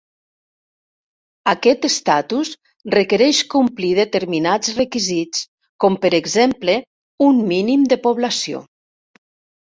Aquest estatus requereix complir determinats requisits, com per exemple un mínim de població.